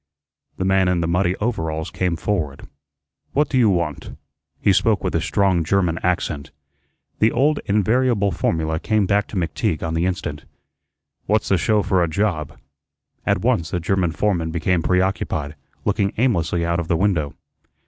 The man in the muddy overalls came forward. "What you want?" He spoke with a strong German accent. The old invariable formula came back to McTeague on the instant. "What's the show for a job?" At once the German foreman became preoccupied, looking aimlessly out of the window.